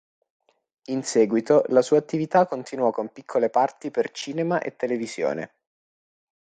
In seguito, la sua attività continuò con piccole parti per cinema e televisione.